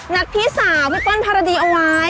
พี่สาวพี่เปิ้ลภารดีเอาไว้